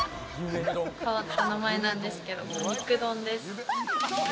変わった名前なんですけど、肉丼です。